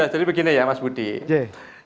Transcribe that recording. jadi begini ya mas budi ya